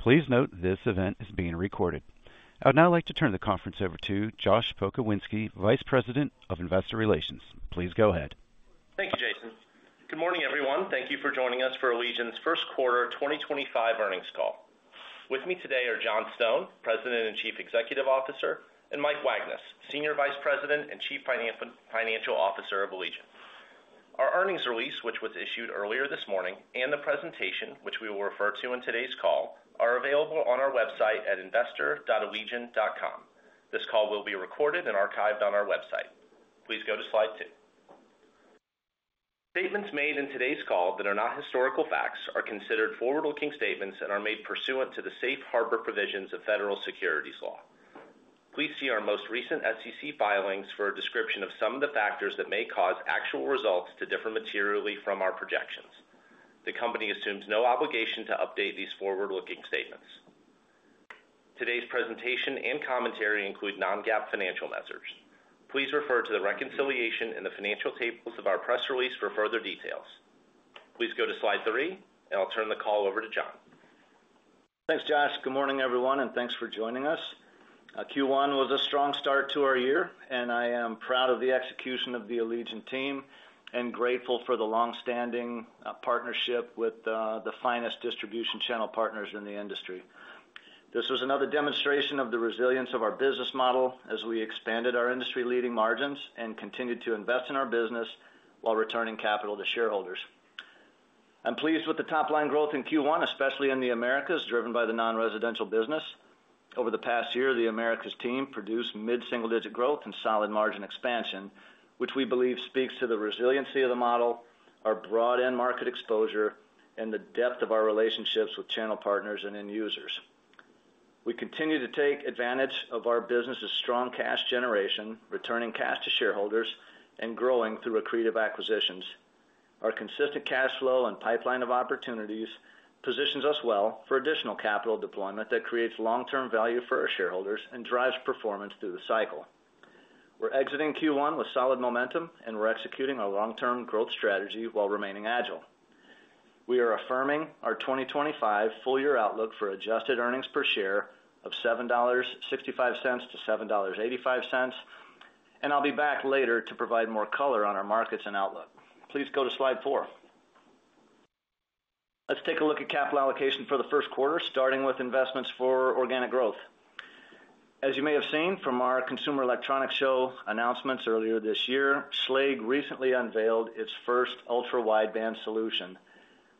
Please note this event is being recorded. I would now like to turn the conference over to Josh Pokrzywinski, Vice President of Investor Relations. Please go ahead. Thank you, Jason. Good morning, everyone. Thank you for joining us for Allegion's first quarter 2025 earnings call. With me today are John Stone, President and Chief Executive Officer, and Mike Wagnes, Senior Vice President and Chief Financial Officer of Allegion. Our earnings release, which was issued earlier this morning, and the presentation, which we will refer to in today's call, are available on our website at investor.allegion.com. This call will be recorded and archived on our website. Please go to slide two. Statements made in today's call that are not historical facts are considered forward-looking statements and are made pursuant to the safe harbor provisions of federal securities law. Please see our most recent SEC filings for a description of some of the factors that may cause actual results to differ materially from our projections. The company assumes no obligation to update these forward-looking statements. Today's presentation and commentary include non-GAAP financial measures. Please refer to the reconciliation and the financial tables of our press release for further details. Please go to slide three, and I'll turn the call over to John. Thanks, Josh. Good morning, everyone, and thanks for joining us. Q1 was a strong start to our year, and I am proud of the execution of the Allegion team and grateful for the longstanding partnership with the finest distribution channel partners in the industry. This was another demonstration of the resilience of our business model as we expanded our industry-leading margins and continued to invest in our business while returning capital to shareholders. I'm pleased with the top-line growth in Q1, especially in the Americas, driven by the non-residential business. Over the past year, the Americas team produced mid-single-digit growth and solid margin expansion, which we believe speaks to the resiliency of the model, our broad end-market exposure, and the depth of our relationships with channel partners and end users. We continue to take advantage of our business's strong cash generation, returning cash to shareholders, and growing through accretive acquisitions. Our consistent cash flow and pipeline of opportunities positions us well for additional capital deployment that creates long-term value for our shareholders and drives performance through the cycle. We're exiting Q1 with solid momentum, and we're executing our long-term growth strategy while remaining agile. We are affirming our 2025 full-year outlook for adjusted earnings per share of $7.65-$7.85, and I'll be back later to provide more color on our markets and outlook. Please go to slide four. Let's take a look at capital allocation for the first quarter, starting with investments for organic growth. As you may have seen from our Consumer Electronics Show announcements earlier this year, Schlage recently unveiled its first ultra-wideband solution.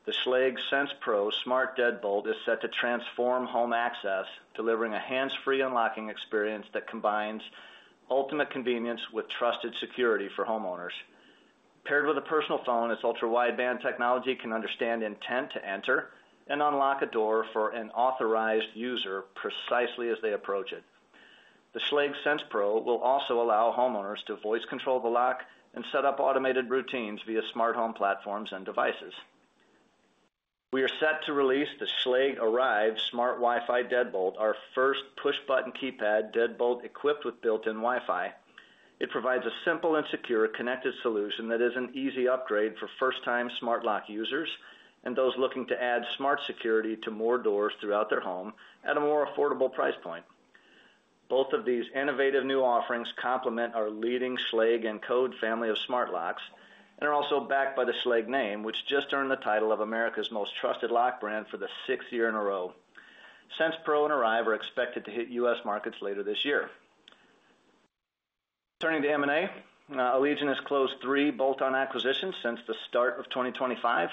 The Schlage Sense Pro Smart Deadbolt is set to transform home access, delivering a hands-free unlocking experience that combines ultimate convenience with trusted security for homeowners. Paired with a personal phone, its ultra-wideband technology can understand intent to enter and unlock a door for an authorized user precisely as they approach it. The Schlage Sense Pro will also allow homeowners to voice control the lock and set up automated routines via smart home platforms and devices. We are set to release the Schlage Arrive Smart Wi-Fi Deadbolt, our first push-button keypad deadbolt equipped with built-in Wi-Fi. It provides a simple and secure connected solution that is an easy upgrade for first-time smart lock users and those looking to add smart security to more doors throughout their home at a more affordable price point. Both of these innovative new offerings complement our leading Schlage Encode family of smart locks and are also backed by the Schlage name, which just earned the title of America's most trusted lock brand for the sixth year in a row. Sense Pro and Arrive are expected to hit U.S. markets later this year. Turning to M&A, Allegion has closed three bolt-on acquisitions since the start of 2025.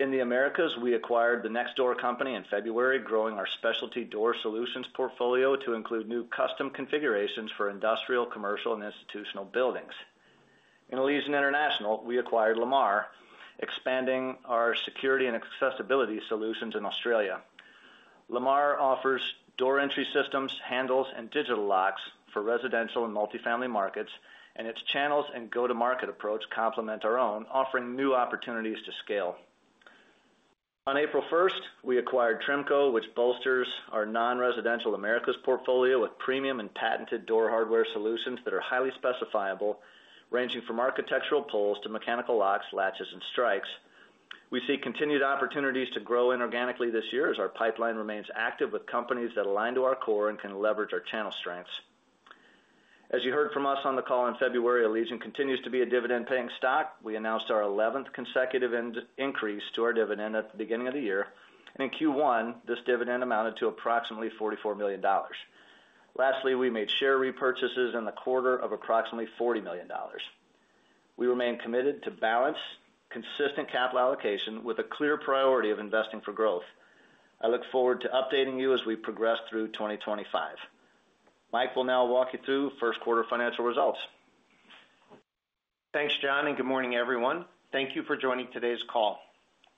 In the Americas, we acquired the Nextdoor Company in February, growing our specialty door solutions portfolio to include new custom configurations for industrial, commercial, and institutional buildings. In Allegion International, we acquired Lemaar, expanding our security and accessibility solutions in Australia. Lemaar offers door entry systems, handles, and digital locks for residential and multifamily markets, and its channels and go-to-market approach complement our own, offering new opportunities to scale. On April 1st, we acquired Trimco, which bolsters our non-residential Americas portfolio with premium and patented door hardware solutions that are highly specifiable, ranging from architectural pulls to mechanical locks, latches, and strikes. We see continued opportunities to grow inorganically this year as our pipeline remains active with companies that align to our core and can leverage our channel strengths. As you heard from us on the call in February, Allegion continues to be a dividend-paying stock. We announced our 11th consecutive increase to our dividend at the beginning of the year, and in Q1, this dividend amounted to approximately $44 million. Lastly, we made share repurchases in the quarter of approximately $40 million. We remain committed to balanced consistent capital allocation with a clear priority of investing for growth. I look forward to updating you as we progress through 2025. Mike will now walk you through first quarter financial results. Thanks, John, and good morning, everyone. Thank you for joining today's call.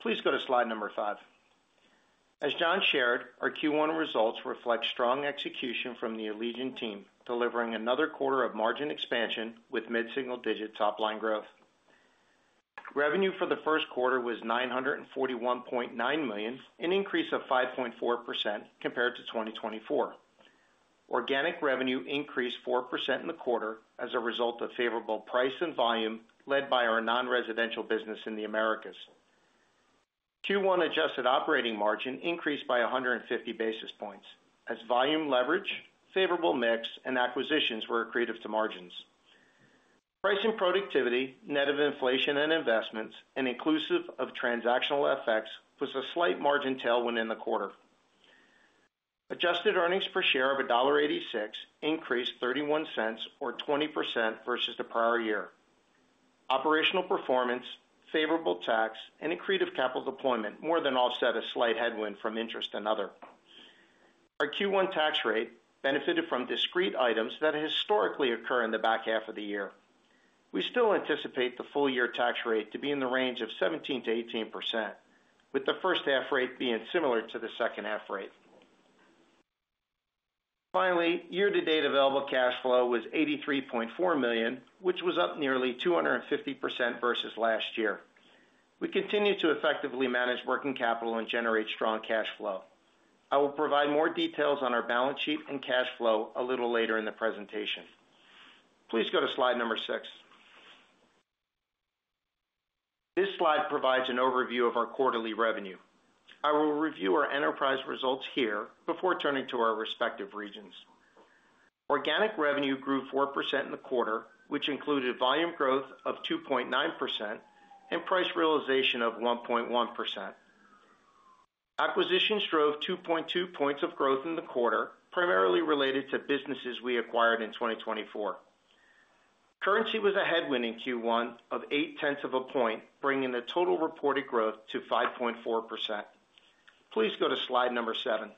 Please go to slide number five. As John shared, our Q1 results reflect strong execution from the Allegion team, delivering another quarter of margin expansion with mid-single-digit top-line growth. Revenue for the first quarter was $941.9 million, an increase of 5.4% compared to 2024. Organic revenue increased 4% in the quarter as a result of favorable price and volume led by our non-residential business in the Americas. Q1 adjusted operating margin increased by 150 basis points as volume leverage, favorable mix, and acquisitions were accretive to margins. Price and productivity, net of inflation and investments, and inclusive of transactional effects was a slight margin tail win in the quarter. Adjusted earnings per share of $1.86 increased $0.31, or 20% versus the prior year. Operational performance, favorable tax, and accretive capital deployment more than offset a slight headwind from interest and other. Our Q1 tax rate benefited from discrete items that historically occur in the back half of the year. We still anticipate the full-year tax rate to be in the range of 17%-18%, with the first half rate being similar to the second half rate. Finally, year-to-date available cash flow was $83.4 million, which was up nearly 250% versus last year. We continue to effectively manage working capital and generate strong cash flow. I will provide more details on our balance sheet and cash flow a little later in the presentation. Please go to slide number six. This slide provides an overview of our quarterly revenue. I will review our enterprise results here before turning to our respective regions. Organic revenue grew 4% in the quarter, which included volume growth of 2.9% and price realization of 1.1%. Acquisitions drove 2.2 points of growth in the quarter, primarily related to businesses we acquired in 2024. Currency was a headwind in Q1 of 0.8 of a point, bringing the total reported growth to 5.4%. Please go to slide number seven.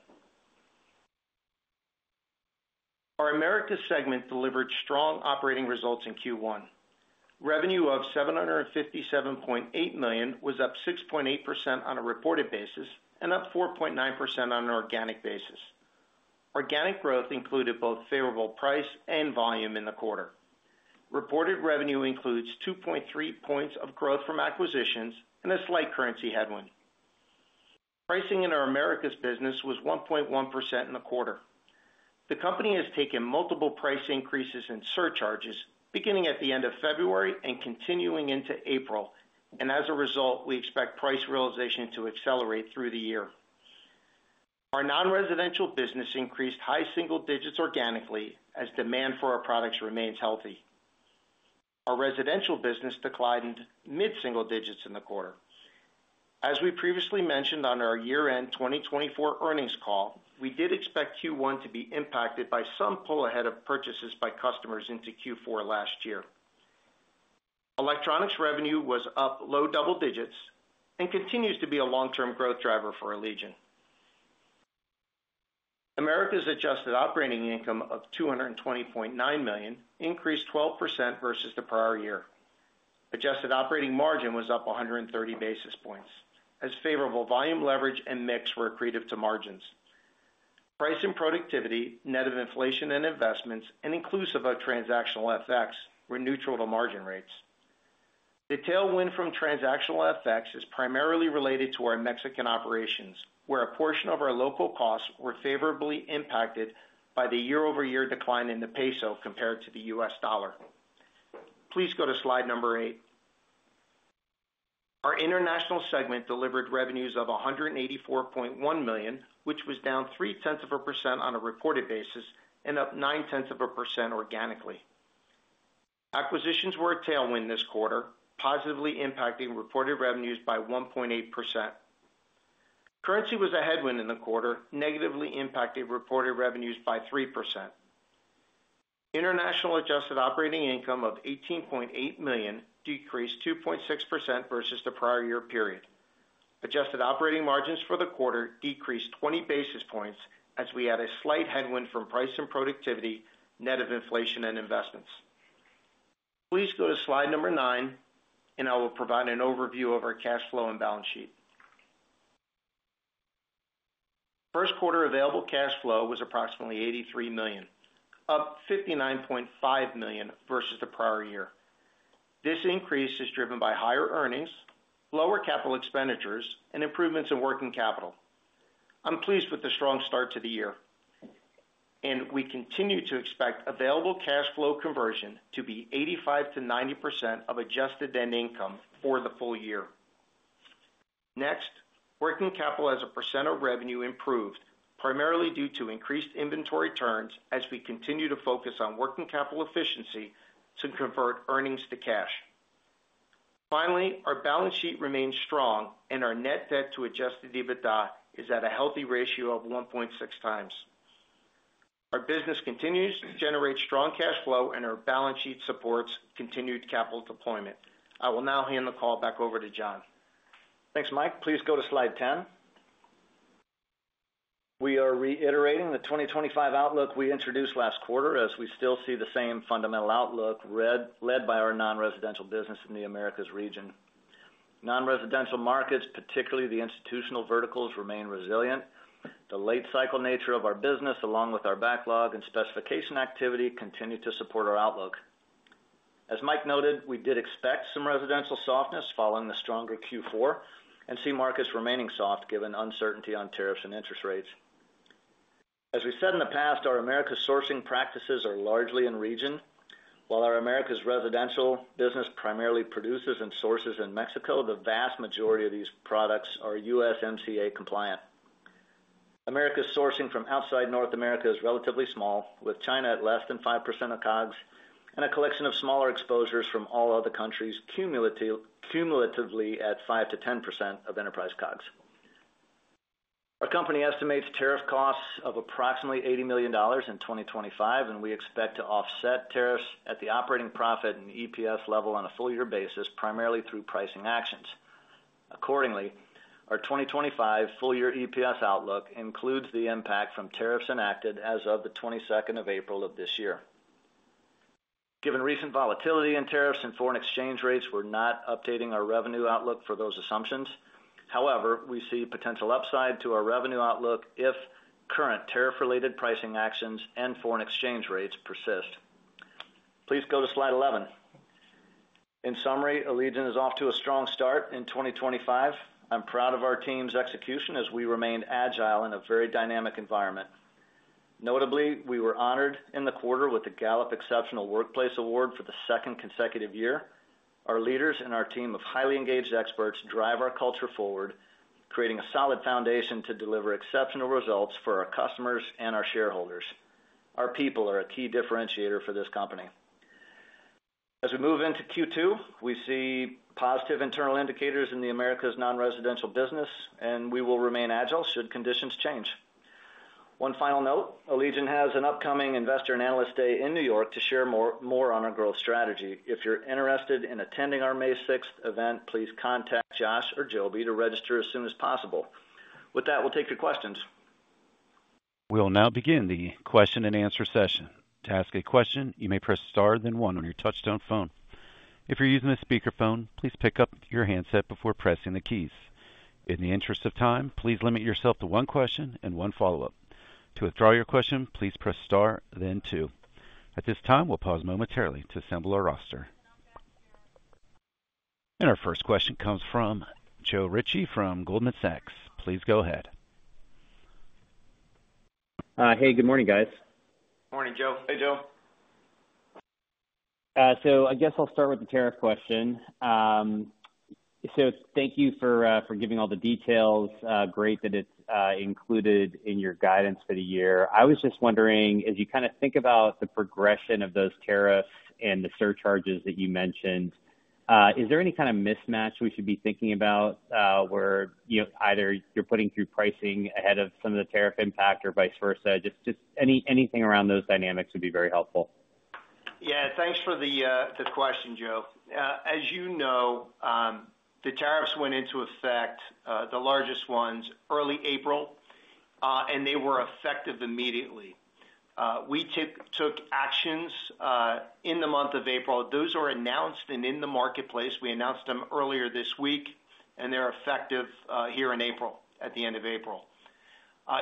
Our Americas segment delivered strong operating results in Q1. Revenue of $757.8 million was up 6.8% on a reported basis and up 4.9% on an organic basis. Organic growth included both favorable price and volume in the quarter. Reported revenue includes 2.3 points of growth from acquisitions and a slight currency headwind. Pricing in our Americas business was 1.1% in the quarter. The company has taken multiple price increases and surcharges beginning at the end of February and continuing into April, and as a result, we expect price realization to accelerate through the year. Our non-residential business increased high single digits organically as demand for our products remains healthy. Our residential business declined mid-single digits in the quarter. As we previously mentioned on our year-end 2024 earnings call, we did expect Q1 to be impacted by some pull ahead of purchases by customers into Q4 last year. Electronics revenue was up low double digits and continues to be a long-term growth driver for Allegion. Americas adjusted operating income of $220.9 million increased 12% versus the prior year. Adjusted operating margin was up 130 basis points as favorable volume leverage and mix were accretive to margins. Price and productivity, net of inflation and investments, and inclusive of transactional FX were neutral to margin rates. The tailwind from transactional FX is primarily related to our Mexican operations, where a portion of our local costs were favorably impacted by the year-over-year decline in the peso compared to the U.S. dollar. Please go to slide number eight. Our international segment delivered revenues of $184.1 million, which was down 0.3% on a reported basis and up 0.9% organically. Acquisitions were a tailwind this quarter, positively impacting reported revenues by 1.8%. Currency was a headwind in the quarter, negatively impacting reported revenues by 3%. International adjusted operating income of $18.8 million decreased 2.6% versus the prior year period. Adjusted operating margins for the quarter decreased 20 basis points as we had a slight headwind from price and productivity, net of inflation and investments. Please go to slide number nine, and I will provide an overview of our cash flow and balance sheet. First quarter available cash flow was approximately $83 million, up $59.5 million versus the prior year. This increase is driven by higher earnings, lower capital expenditures, and improvements in working capital. I'm pleased with the strong start to the year, and we continue to expect available cash flow conversion to be 85%-90% of adjusted net income for the full year. Next, working capital as a percent of revenue improved, primarily due to increased inventory turns as we continue to focus on working capital efficiency to convert earnings to cash. Finally, our balance sheet remains strong, and our net debt to adjusted EBITDA is at a healthy ratio of 1.6x. Our business continues to generate strong cash flow, and our balance sheet supports continued capital deployment. I will now hand the call back over to John. Thanks, Mike. Please go to slide 10. We are reiterating the 2025 outlook we introduced last quarter as we still see the same fundamental outlook led by our non-residential business in the Americas region. Non-residential markets, particularly the institutional verticals, remain resilient. The late-cycle nature of our business, along with our backlog and specification activity, continues to support our outlook. As Mike noted, we did expect some residential softness following the stronger Q4 and see markets remaining soft given uncertainty on tariffs and interest rates. As we said in the past, our Americas sourcing practices are largely in region. While our Americas residential business primarily produces and sources in Mexico, the vast majority of these products are USMCA compliant. Americas sourcing from outside North America is relatively small, with China at less than 5% of COGS and a collection of smaller exposures from all other countries cumulatively at 5%-10% of enterprise COGS. Our company estimates tariff costs of approximately $80 million in 2025, and we expect to offset tariffs at the operating profit and EPS level on a full-year basis, primarily through pricing actions. Accordingly, our 2025 full-year EPS outlook includes the impact from tariffs enacted as of the 22nd of April of this year. Given recent volatility in tariffs and foreign exchange rates, we're not updating our revenue outlook for those assumptions. However, we see potential upside to our revenue outlook if current tariff-related pricing actions and foreign exchange rates persist. Please go to slide 11. In summary, Allegion is off to a strong start in 2025. I'm proud of our team's execution as we remained agile in a very dynamic environment. Notably, we were honored in the quarter with the Gallup Exceptional Workplace Award for the second consecutive year. Our leaders and our team of highly engaged experts drive our culture forward, creating a solid foundation to deliver exceptional results for our customers and our shareholders. Our people are a key differentiator for this company. As we move into Q2, we see positive internal indicators in the Americas non-residential business, and we will remain agile should conditions change. One final note, Allegion has an upcoming investor and analyst day in New York to share more on our growth strategy. If you're interested in attending our May 6 event, please contact Josh or Jobi to register as soon as possible. With that, we'll take your questions. We'll now begin the question and answer session. To ask a question, you may press star then one on your touch-tone phone. If you're using a speakerphone, please pick up your handset before pressing the keys. In the interest of time, please limit yourself to one question and one follow up. To withdraw your question, please press star then two. At this time, we'll pause momentarily to assemble our roster. Our first question comes from Joe Ritchie from Goldman Sachs. Please go ahead. Hey, good morning, guys. Good morning, Joe. Hey, Joe. I guess I'll start with the tariff question. Thank you for giving all the details. Great that it's included in your guidance for the year. I was just wondering, as you kind of think about the progression of those tariffs and the surcharges that you mentioned, is there any kind of mismatch we should be thinking about where either you're putting through pricing ahead of some of the tariff impact or vice versa? Just anything around those dynamics would be very helpful. Yeah, thanks for the question, Joe. As you know, the tariffs went into effect, the largest ones, early April, and they were effective immediately. We took actions in the month of April. Those are announced and in the marketplace. We announced them earlier this week, and they're effective here in April, at the end of April.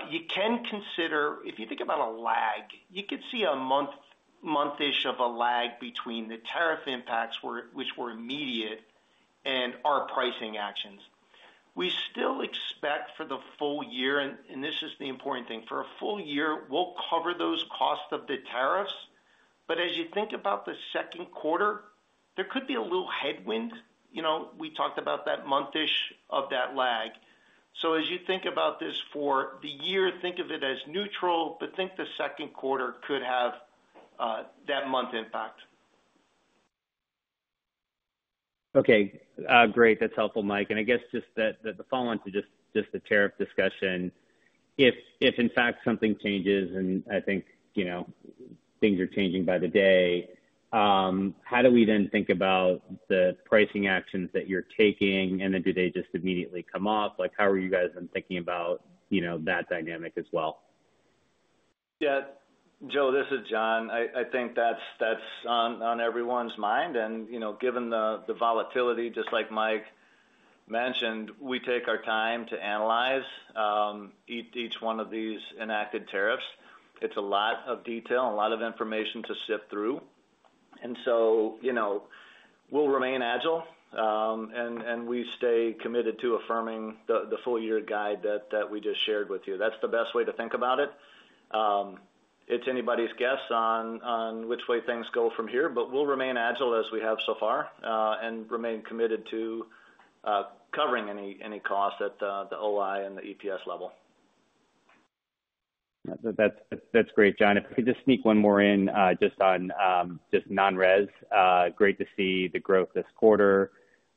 You can consider, if you think about a lag, you could see a month-ish of a lag between the tariff impacts, which were immediate, and our pricing actions. We still expect for the full year, and this is the important thing, for a full year, we'll cover those costs of the tariffs. As you think about the second quarter, there could be a little headwind. We talked about that month-ish of that lag. As you think about this for the year, think of it as neutral, but think the second quarter could have that month impact. Okay. Great. That's helpful, Mike. I guess just the follow on to just the tariff discussion, if in fact something changes, and I think things are changing by the day, how do we then think about the pricing actions that you're taking, and then do they just immediately come off? How are you guys then thinking about that dynamic as well? Yeah. Joe, this is John. I think that's on everyone's mind. Given the volatility, just like Mike mentioned, we take our time to analyze each one of these enacted tariffs. It's a lot of detail, a lot of information to sift through. We will remain agile, and we stay committed to affirming the full-year guide that we just shared with you. That's the best way to think about it. It's anybody's guess on which way things go from here, but we will remain agile as we have so far and remain committed to covering any costs at the OI and the EPS level. That's great, John. If I could just sneak one more in just on just non-res. Great to see the growth this quarter.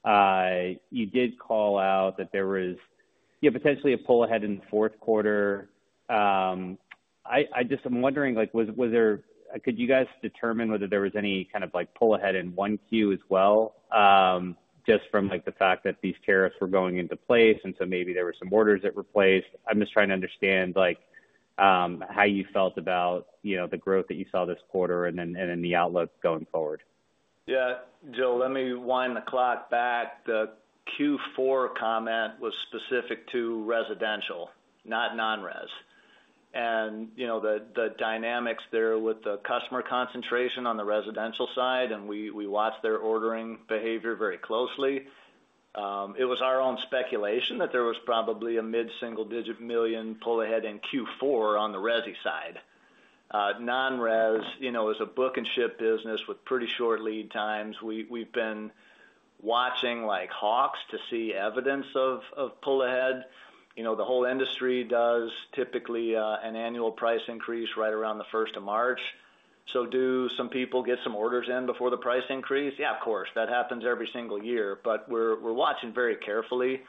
You did call out that there was potentially a pull ahead in the fourth quarter. I'm wondering, could you guys determine whether there was any kind of pull ahead in 1Q as well, just from the fact that these tariffs were going into place and so maybe there were some orders that were placed? I'm just trying to understand how you felt about the growth that you saw this quarter and then the outlook going forward. Yeah. Joe, let me wind the clock back. The Q4 comment was specific to residential, not non-res. The dynamics there with the customer concentration on the residential side, and we watched their ordering behavior very closely. It was our own speculation that there was probably a mid-single digit million pull ahead in Q4 on the resi side. Non-res is a book and ship business with pretty short lead times. We've been watching like hawks to see evidence of pull ahead. The whole industry does typically an annual price increase right around the 1st of March. Do some people get some orders in before the price increase? Yeah, of course. That happens every single year. We're watching very carefully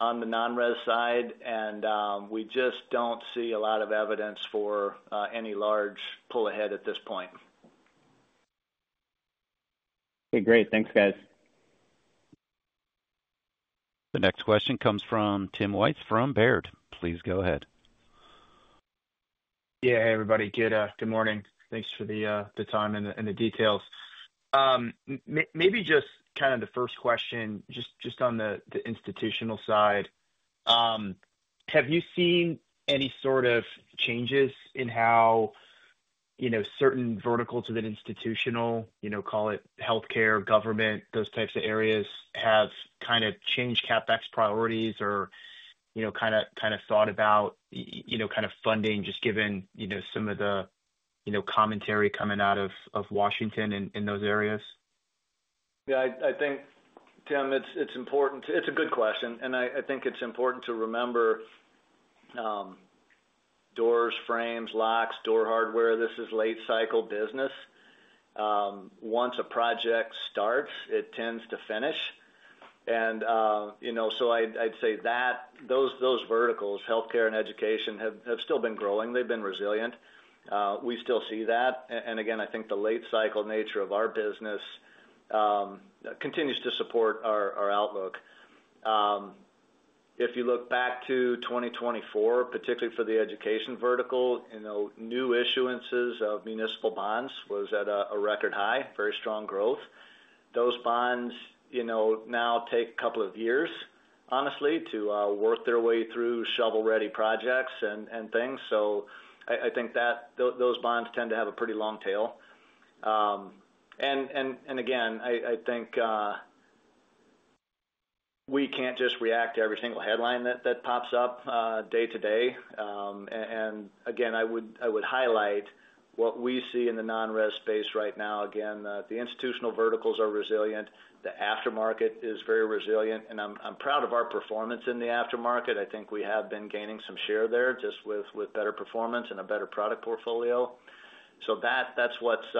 on the non-res side, and we just do not see a lot of evidence for any large pull ahead at this point. Okay. Great. Thanks, guys. The next question comes from Tim Wojs from Baird. Please go ahead. Yeah, hey, everybody. Good morning. Thanks for the time and the details. Maybe just kind of the first question, just on the institutional side, have you seen any sort of changes in how certain verticals within institutional, call it healthcare, government, those types of areas, have kind of changed CapEx priorities or kind of thought about kind of funding, just given some of the commentary coming out of Washington in those areas? Yeah. I think, Tim, it's important. It's a good question. I think it's important to remember doors, frames, locks, door hardware. This is late-cycle business. Once a project starts, it tends to finish. I'd say that those verticals, healthcare and education, have still been growing. They've been resilient. We still see that. I think the late-cycle nature of our business continues to support our outlook. If you look back to 2024, particularly for the education vertical, new issuances of municipal bonds was at a record high, very strong growth. Those bonds now take a couple of years, honestly, to work their way through shovel-ready projects and things. I think those bonds tend to have a pretty long tail. I think we can't just react to every single headline that pops up day to day. I would highlight what we see in the non-res space right now. The institutional verticals are resilient. The aftermarket is very resilient. I'm proud of our performance in the aftermarket. I think we have been gaining some share there just with better performance and a better product portfolio. That is what is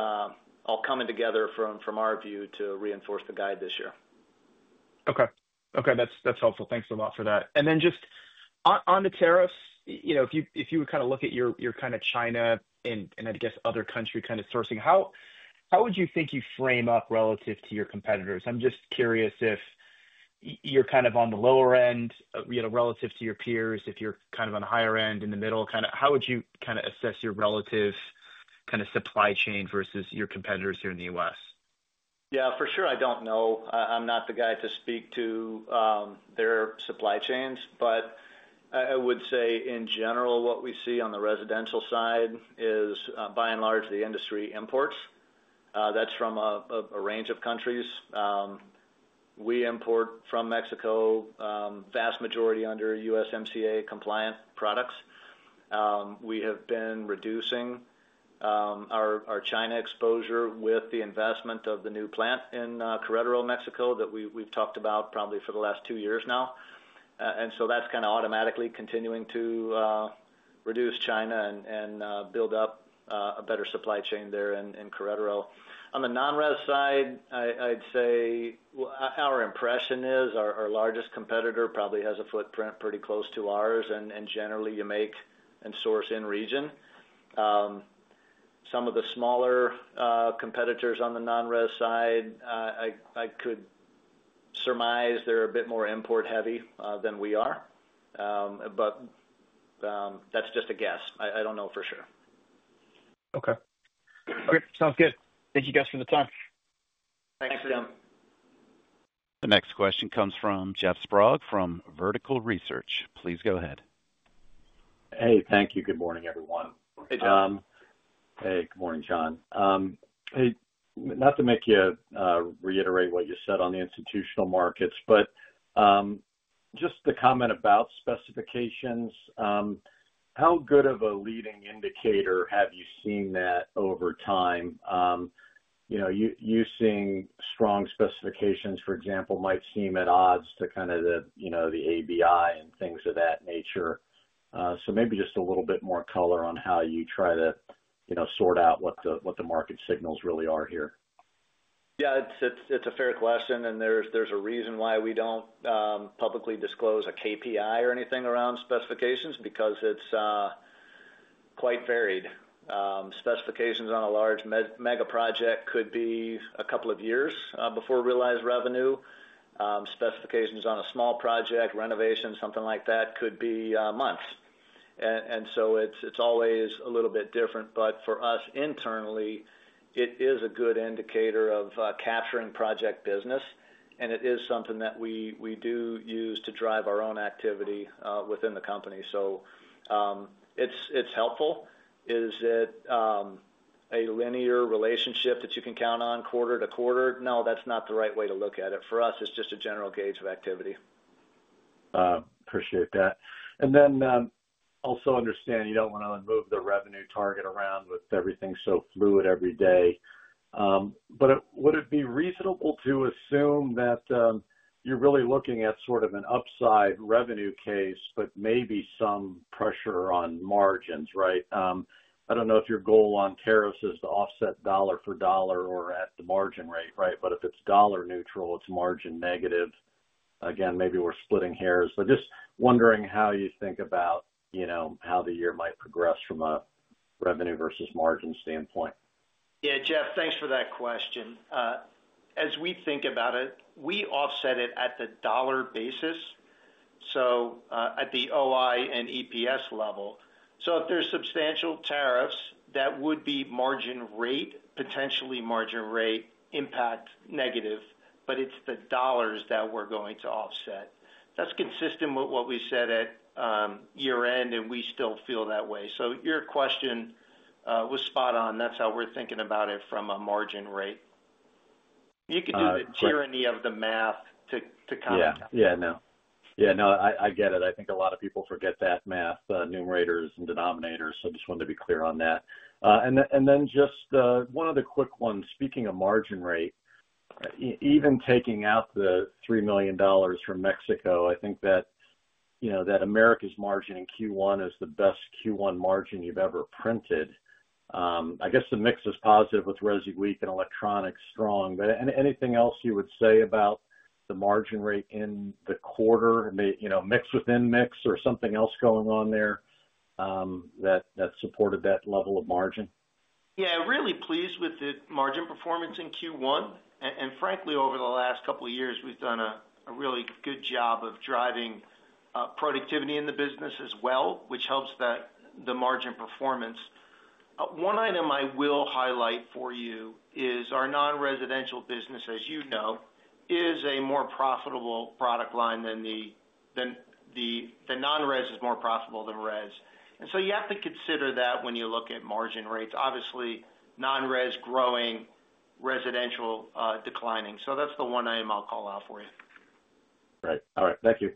all coming together from our view to reinforce the guide this year. Okay. Okay. That's helpful. Thanks a lot for that. Just on the tariffs, if you would kind of look at your kind of China and, I guess, other country kind of sourcing, how would you think you frame up relative to your competitors? I'm just curious if you're kind of on the lower end relative to your peers, if you're kind of on the higher end, in the middle, kind of how would you kind of assess your relative kind of supply chain versus your competitors here in the U.S.? Yeah. For sure, I don't know. I'm not the guy to speak to their supply chains. I would say, in general, what we see on the residential side is, by and large, the industry imports. That's from a range of countries. We import from Mexico, vast majority under U.S. MCA compliant products. We have been reducing our China exposure with the investment of the new plant in Querétaro, Mexico, that we've talked about probably for the last two years now. That kind of automatically continues to reduce China and build up a better supply chain there in Querétaro. On the non-res side, I'd say our impression is our largest competitor probably has a footprint pretty close to ours, and generally, you make and source in region. Some of the smaller competitors on the non-res side, I could surmise they're a bit more import-heavy than we are. That's just a guess. I don't know for sure. Okay. Great. Sounds good. Thank you guys for the time. Thanks, Tim. The next question comes from Jeff Sprague from Vertical Research. Please go ahead. Hey, thank you. Good morning, everyone. Hey, John. Hey. Good morning, John. Not to make you reiterate what you said on the institutional markets, but just the comment about specifications, how good of a leading indicator have you seen that over time? You seeing strong specifications, for example, might seem at odds to kind of the ABI and things of that nature. Maybe just a little bit more color on how you try to sort out what the market signals really are here. Yeah. It's a fair question. There's a reason why we don't publicly disclose a KPI or anything around specifications because it's quite varied. Specifications on a large mega project could be a couple of years before realized revenue. Specifications on a small project, renovation, something like that, could be months. It's always a little bit different. For us internally, it is a good indicator of capturing project business. It is something that we do use to drive our own activity within the company. It's helpful. Is it a linear relationship that you can count on quarter-to-quarter? No, that's not the right way to look at it. For us, it's just a general gauge of activity. Appreciate that. I also understand you do not want to move the revenue target around with everything so fluid every day. Would it be reasonable to assume that you are really looking at sort of an upside revenue case, but maybe some pressure on margins, right? I do not know if your goal on tariffs is to offset dollar for dollar or at the margin rate, right? If it is dollar neutral, it is margin negative. Again, maybe we are splitting hairs. Just wondering how you think about how the year might progress from a revenue versus margin standpoint. Yeah, Jeff, thanks for that question. As we think about it, we offset it at the dollar basis, so at the OI and EPS level. If there's substantial tariffs, that would be margin rate, potentially margin rate impact negative, but it's the dollars that we're going to offset. That's consistent with what we said at year-end, and we still feel that way. Your question was spot on. That's how we're thinking about it from a margin rate. You can do the tyranny of the math to comment. Yeah. Yeah, no. Yeah, no, I get it. I think a lot of people forget that math, the numerators and denominators. I just wanted to be clear on that. Just one other quick one. Speaking of margin rate, even taking out the $3 million from Mexico, I think that America's margin in Q1 is the best Q1 margin you've ever printed. I guess the mix is positive with resi weak and electronics strong. Anything else you would say about the margin rate in the quarter, mix within mix or something else going on there that supported that level of margin? Yeah. Really pleased with the margin performance in Q1. Frankly, over the last couple of years, we've done a really good job of driving productivity in the business as well, which helps the margin performance. One item I will highlight for you is our non-residential business, as you know, is a more profitable product line than the non-res is more profitable than rez. You have to consider that when you look at margin rates. Obviously, non-res growing, residential declining. That's the one item I'll call out for you. Great. All right. Thank you.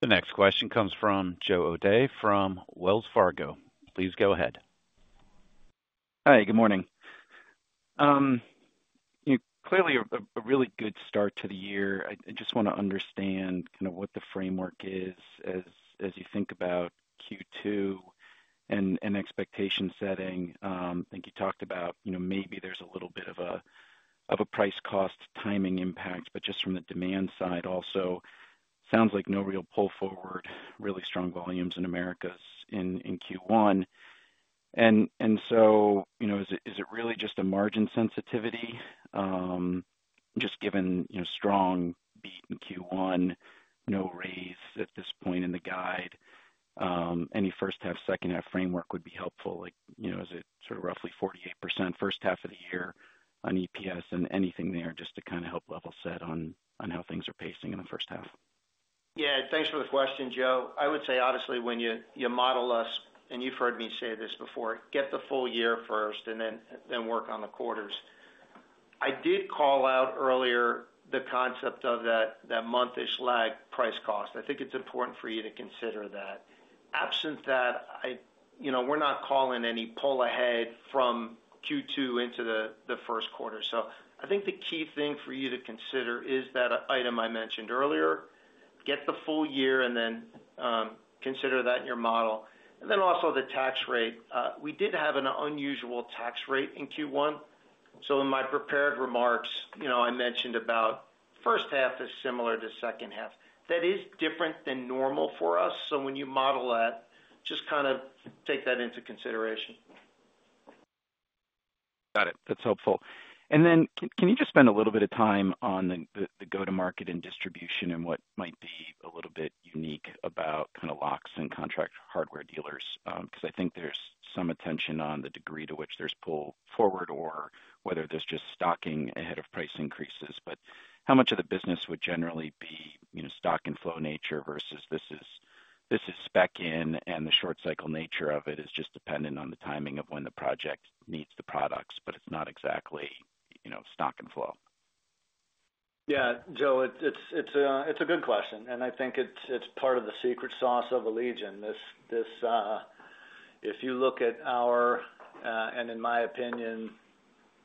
The next question comes from Joe O'dea from Wells Fargo. Please go ahead. Hi. Good morning. Clearly, a really good start to the year. I just want to understand kind of what the framework is as you think about Q2 and expectation setting. I think you talked about maybe there's a little bit of a price-cost timing impact, but just from the demand side also, sounds like no real pull forward, really strong volumes in Americas in Q1. Is it really just a margin sensitivity? Just given strong beat in Q1, no raise at this point in the guide, any first-half, second-half framework would be helpful. Is it sort of roughly 48% first half of the year on EPS and anything there just to kind of help level set on how things are pacing in the first half? Yeah. Thanks for the question, Joe. I would say, honestly, when you model us, and you've heard me say this before, get the full year first and then work on the quarters. I did call out earlier the concept of that month-ish lag price cost. I think it's important for you to consider that. Absent that, we're not calling any pull ahead from Q2 into the first quarter. I think the key thing for you to consider is that item I mentioned earlier, get the full year and then consider that in your model. Also the tax rate. We did have an unusual tax rate in Q1. In my prepared remarks, I mentioned about first half is similar to second half. That is different than normal for us. When you model that, just kind of take that into consideration. Got it. That's helpful. Can you just spend a little bit of time on the go-to-market and distribution and what might be a little bit unique about kind of locks and contract hardware dealers? I think there's some attention on the degree to which there's pull forward or whether there's just stocking ahead of price increases. How much of the business would generally be stock and flow nature versus this is spec in and the short-cycle nature of it is just dependent on the timing of when the project needs the products, but it's not exactly stock and flow? Yeah. Joe, it's a good question. I think it's part of the secret sauce of Allegion. If you look at our, and in my opinion,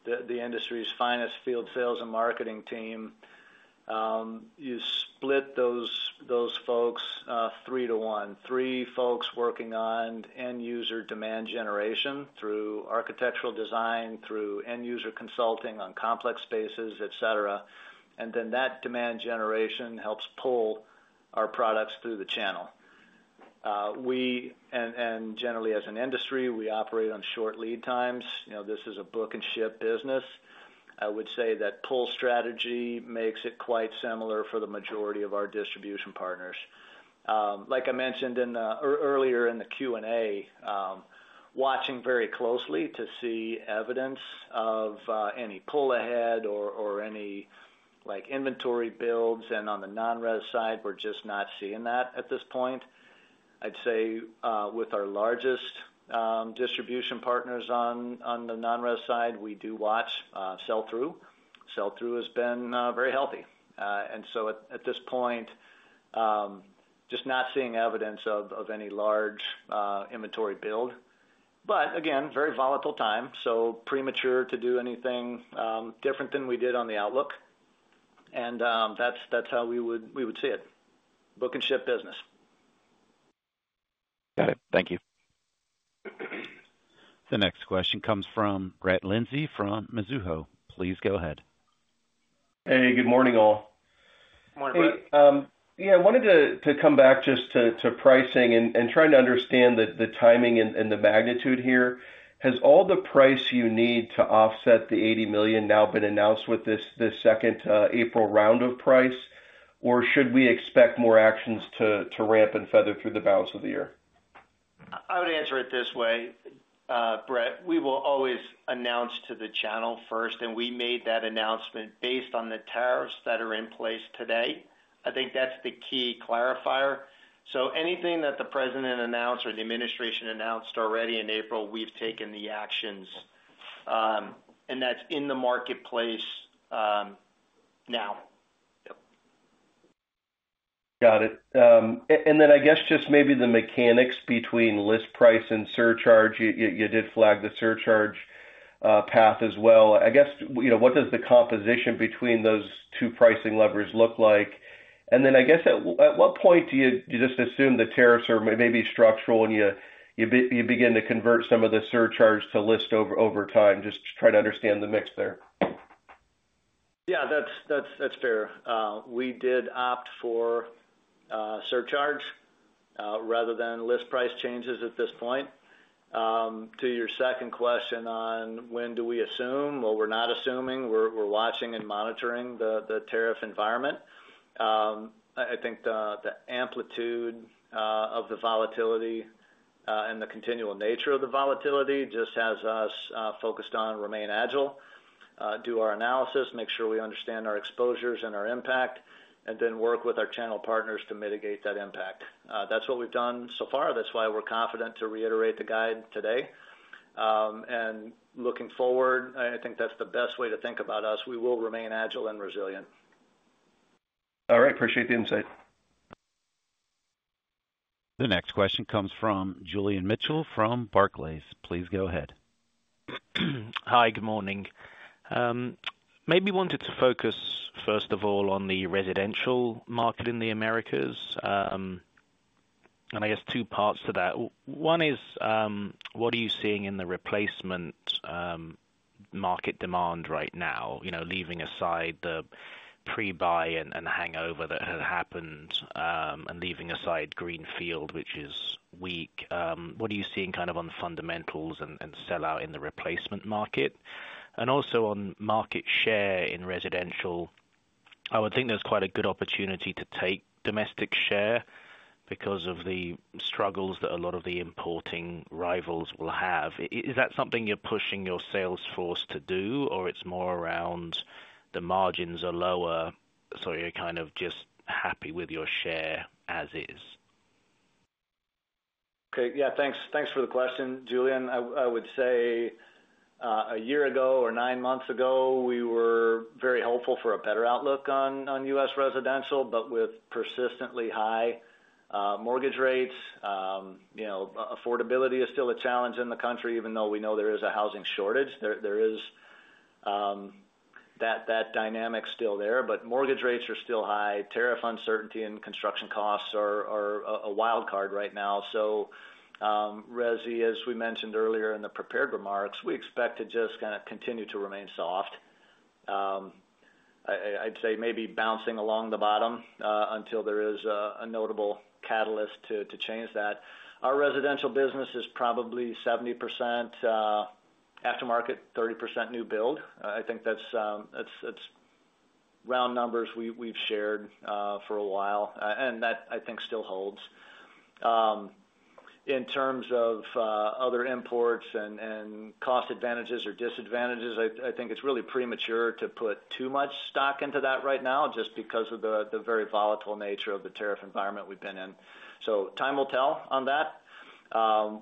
the industry's finest field sales and marketing team, you split those folks three to one. Three folks working on end-user demand generation through architectural design, through end-user consulting on complex spaces, etc. That demand generation helps pull our products through the channel. Generally, as an industry, we operate on short lead times. This is a book and ship business. I would say that pull strategy makes it quite similar for the majority of our distribution partners. Like I mentioned earlier in the Q&A, watching very closely to see evidence of any pull ahead or any inventory builds. On the non-res side, we're just not seeing that at this point. I'd say with our largest distribution partners on the non-res side, we do watch sell-through. Sell-through has been very healthy. At this point, just not seeing evidence of any large inventory build. Again, very volatile time. Premature to do anything different than we did on the outlook. That's how we would see it. Book and ship business. Got it. Thank you. The next question comes from Brett Linzey from Mizuho. Please go ahead. Hey. Good morning, all. Good morning, Brett. Yeah. I wanted to come back just to pricing and trying to understand the timing and the magnitude here. Has all the price you need to offset the $80 million now been announced with this second April round of price, or should we expect more actions to ramp and feather through the balance of the year? I would answer it this way, Brett. We will always announce to the channel first. We made that announcement based on the tariffs that are in place today. I think that is the key clarifier. Anything that the president announced or the administration announced already in April, we have taken the actions. That is in the marketplace now. Got it. I guess just maybe the mechanics between list price and surcharge. You did flag the surcharge path as well. I guess what does the composition between those two pricing levers look like? I guess at what point do you just assume the tariffs are maybe structural and you begin to convert some of the surcharge to list over time? Just try to understand the mix there. Yeah. That's fair. We did opt for surcharge rather than list price changes at this point. To your second question on when do we assume? We're not assuming. We're watching and monitoring the tariff environment. I think the amplitude of the volatility and the continual nature of the volatility just has us focused on remain agile, do our analysis, make sure we understand our exposures and our impact, and then work with our channel partners to mitigate that impact. That's what we've done so far. That's why we're confident to reiterate the guide today. Looking forward, I think that's the best way to think about us. We will remain agile and resilient. All right. Appreciate the insight. The next question comes from Julian Mitchell from Barclays. Please go ahead. Hi. Good morning. Maybe wanted to focus first of all on the residential market in the Americas. I guess two parts to that. One is what are you seeing in the replacement market demand right now, leaving aside the pre-buy and hangover that had happened and leaving aside greenfield, which is weak? What are you seeing kind of on fundamentals and sell-out in the replacement market? Also on market share in residential, I would think there's quite a good opportunity to take domestic share because of the struggles that a lot of the importing rivals will have. Is that something you're pushing your sales force to do, or it's more around the margins are lower, so you're kind of just happy with your share as is? Okay. Yeah. Thanks for the question, Julian. I would say a year ago or nine months ago, we were very hopeful for a better outlook on U.S. residential, but with persistently high mortgage rates. Affordability is still a challenge in the country, even though we know there is a housing shortage. There is that dynamic still there. Mortgage rates are still high. Tariff uncertainty and construction costs are a wild card right now. Rez, as we mentioned earlier in the prepared remarks, we expect to just kind of continue to remain soft. I'd say maybe bouncing along the bottom until there is a notable catalyst to change that. Our residential business is probably 70% aftermarket, 30% new build. I think that's round numbers we've shared for a while. That, I think, still holds. In terms of other imports and cost advantages or disadvantages, I think it's really premature to put too much stock into that right now just because of the very volatile nature of the tariff environment we've been in. Time will tell on that.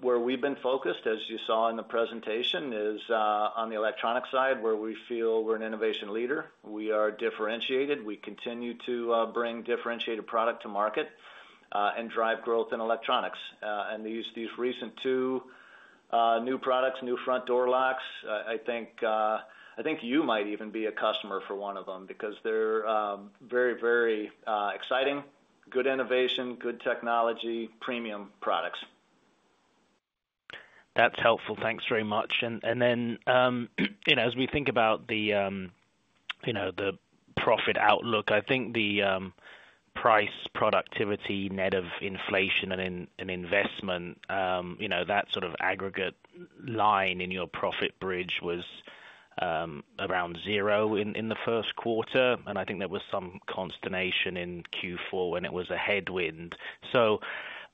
Where we've been focused, as you saw in the presentation, is on the electronic side, where we feel we're an innovation leader. We are differentiated. We continue to bring differentiated product to market and drive growth in electronics. These recent two new products, new front door locks, I think you might even be a customer for one of them because they're very, very exciting, good innovation, good technology, premium products. That's helpful. Thanks very much. As we think about the profit outlook, I think the price productivity net of inflation and investment, that sort of aggregate line in your profit bridge was around zero in the first quarter. I think there was some consternation in Q4 when it was a headwind. I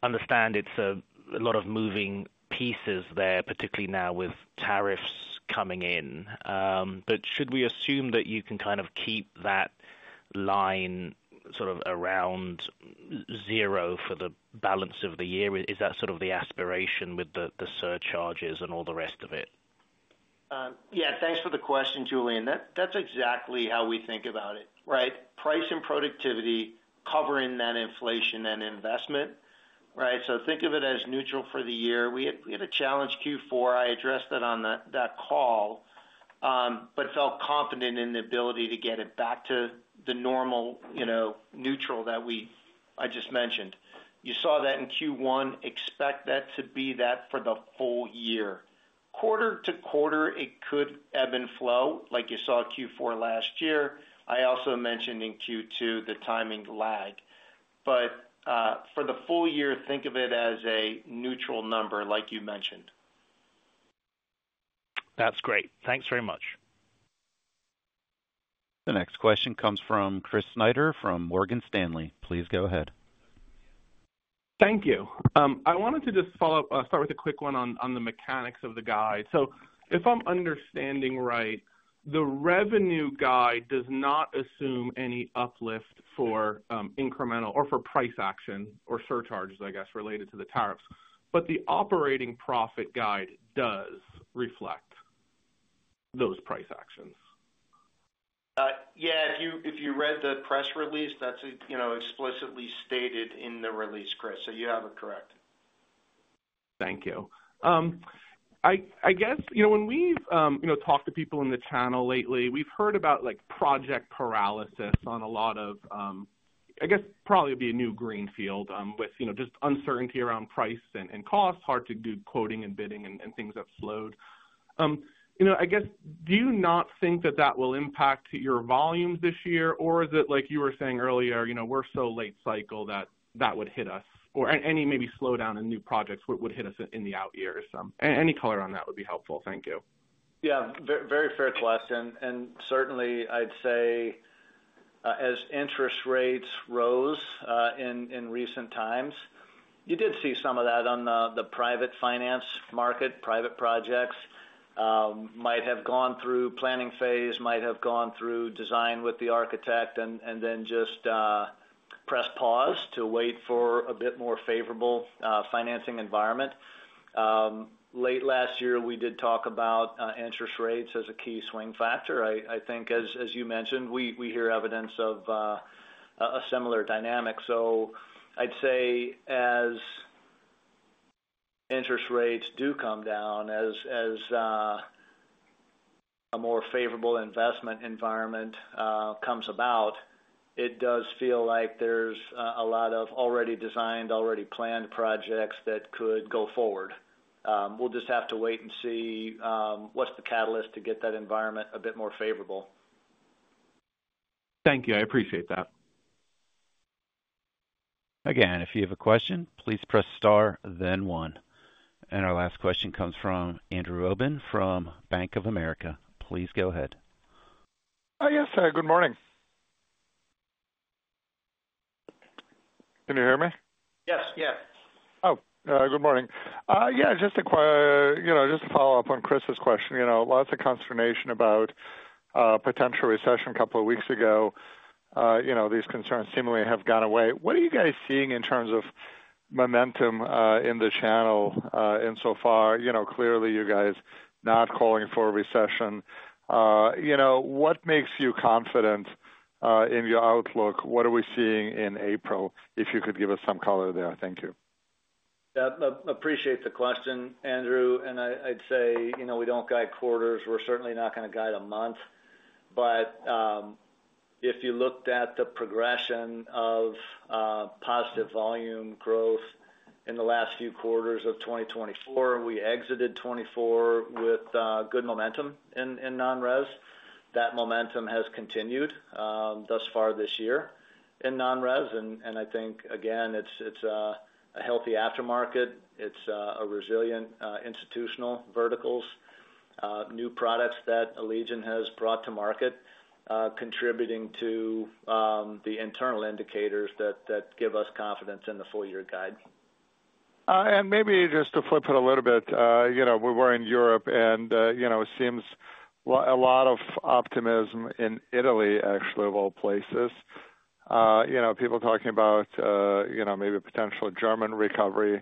understand it's a lot of moving pieces there, particularly now with tariffs coming in. Should we assume that you can kind of keep that line sort of around zero for the balance of the year? Is that sort of the aspiration with the surcharges and all the rest of it? Yeah. Thanks for the question, Julian. That's exactly how we think about it. Right? Price and productivity covering that inflation and investment. Right? So think of it as neutral for the year. We had a challenge Q4. I addressed that on that call, but felt confident in the ability to get it back to the normal neutral that I just mentioned. You saw that in Q1. Expect that to be that for the whole year. Quarter-to-quarter, it could ebb and flow like you saw Q4 last year. I also mentioned in Q2 the timing lag. But for the full year, think of it as a neutral number like you mentioned. That's great. Thanks very much. The next question comes from Chris Snyder from Morgan Stanley. Please go ahead. Thank you. I wanted to just start with a quick one on the mechanics of the guide. So if I'm understanding right, the revenue guide does not assume any uplift for incremental or for price action or surcharges, I guess, related to the tariffs. But the operating profit guide does reflect those price actions. Yeah. If you read the press release, that's explicitly stated in the release, Chris. You have it correct. Thank you. I guess when we've talked to people in the channel lately, we've heard about project paralysis on a lot of, I guess, probably would be a new greenfield with just uncertainty around price and cost, hard to do quoting and bidding, and things have slowed. I guess, do you not think that that will impact your volumes this year, or is it like you were saying earlier, we're so late cycle that that would hit us, or any maybe slowdown in new projects would hit us in the out years? Any color on that would be helpful. Thank you. Yeah. Very fair question. Certainly, I'd say as interest rates rose in recent times, you did see some of that on the private finance market. Private projects might have gone through planning phase, might have gone through design with the architect, and then just press pause to wait for a bit more favorable financing environment. Late last year, we did talk about interest rates as a key swing factor. I think, as you mentioned, we hear evidence of a similar dynamic. I'd say as interest rates do come down, as a more favorable investment environment comes about, it does feel like there's a lot of already designed, already planned projects that could go forward. We'll just have to wait and see what's the catalyst to get that environment a bit more favorable. Thank you. I appreciate that. Again, if you have a question, please press star, then one. Our last question comes from Andrew Obin from Bank of America. Please go ahead. Yes. Good morning. Can you hear me? Yes. Yeah. Oh, good morning. Yeah. Just to follow up on Chris's question, lots of consternation about potential recession a couple of weeks ago. These concerns seemingly have gone away. What are you guys seeing in terms of momentum in the channel insofar? Clearly, you guys are not calling for a recession. What makes you confident in your outlook? What are we seeing in April? If you could give us some color there. Thank you. Yeah. Appreciate the question, Andrew. I'd say we do not guide quarters. We are certainly not going to guide a month. If you looked at the progression of positive volume growth in the last few quarters of 2024, we exited 2024 with good momentum in non-res. That momentum has continued thus far this year in non-res. I think, again, it is a healthy aftermarket. It is resilient institutional verticals, new products that Allegion has brought to market, contributing to the internal indicators that give us confidence in the full year guide. Maybe just to flip it a little bit, we were in Europe, and it seems a lot of optimism in Italy, actually, of all places. People talking about maybe a potential German recovery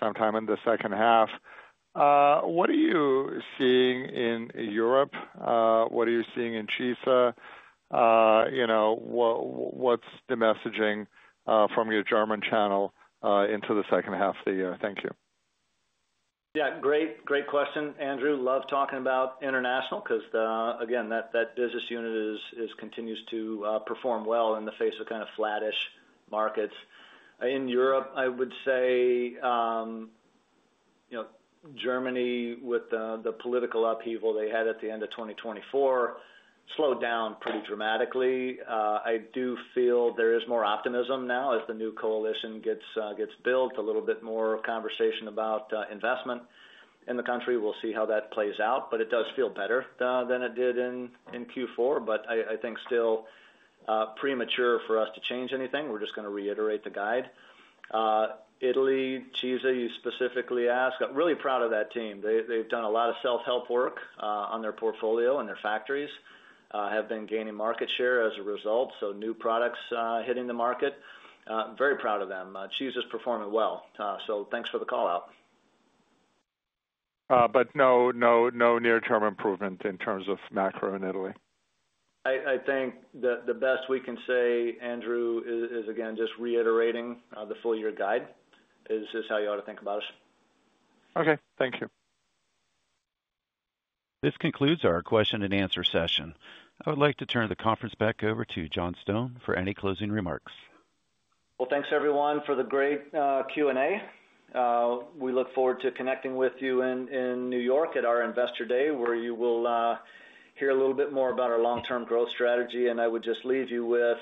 sometime in the second half. What are you seeing in Europe? What are you seeing in CISA? What's the messaging from your German channel into the second half of the year? Thank you. Yeah. Great question, Andrew. Love talking about international because, again, that business unit continues to perform well in the face of kind of flattish markets. In Europe, I would say Germany, with the political upheaval they had at the end of 2024, slowed down pretty dramatically. I do feel there is more optimism now as the new coalition gets built, a little bit more conversation about investment in the country. We will see how that plays out. It does feel better than it did in Q4. I think still premature for us to change anything. We are just going to reiterate the guide. Italy, CISA, you specifically asked, really proud of that team. They have done a lot of self-help work on their portfolio and their factories, have been gaining market share as a result, so new products hitting the market. Very proud of them. CISA is performing well. Thanks for the call-out. No near-term improvement in terms of macro in Italy. I think the best we can say, Andrew, is, again, just reiterating the full year guide is how you ought to think about us. Okay. Thank you. This concludes our question and answer session. I would like to turn the conference back over to John Stone for any closing remarks. Thanks, everyone, for the great Q&A. We look forward to connecting with you in New York at our Investor Day, where you will hear a little bit more about our long-term growth strategy. I would just leave you with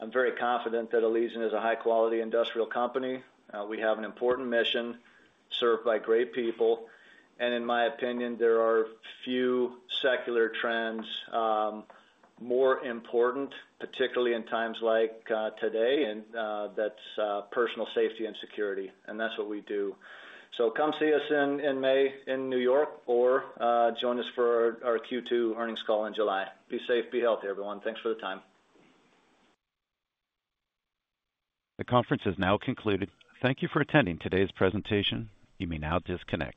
I'm very confident that Allegion is a high-quality industrial company. We have an important mission served by great people. In my opinion, there are few secular trends more important, particularly in times like today, and that's personal safety and security. That's what we do. Come see us in May in New York or join us for our Q2 earnings call in July. Be safe, be healthy, everyone. Thanks for the time. The conference has now concluded. Thank you for attending today's presentation. You may now disconnect.